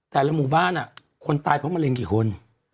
แต่ละหมู่บ้านคนตายเพราะมะเร็งกี่คน